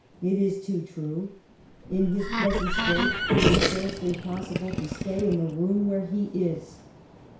It is too true. In his present state it is scarcely possible to stay in the room where he is."